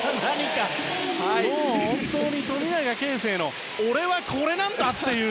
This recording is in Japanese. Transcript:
もう本当に富永啓生の俺はこれなんだ！という。